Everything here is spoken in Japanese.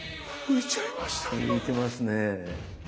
浮いてますね。